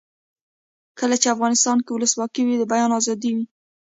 کله چې افغانستان کې ولسواکي وي د بیان آزادي وي.